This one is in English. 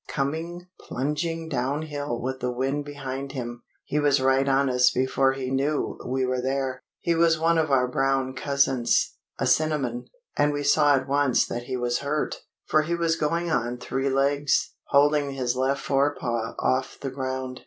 Coming plunging downhill with the wind behind him, he was right on us before he knew we were there. He was one of our brown cousins a cinnamon and we saw at once that he was hurt, for he was going on three legs, holding his left fore paw off the ground.